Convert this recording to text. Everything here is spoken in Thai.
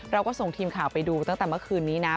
เราก็ส่งทีมข่าวไปดูตั้งแต่เมื่อคืนนี้นะ